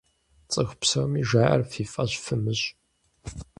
ЦӀыху псоми жаӀэр фи фӀэщ фымыщӀ!